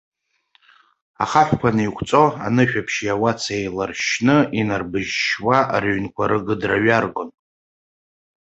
Ахаҳәқәа неиқәҵо, анышәаԥшьи ауаци еиларшьшьны инарбыжьшьуа рыҩнқәа рыгыдра ҩаргон.